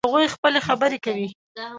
هغوی خپلې خبرې کوي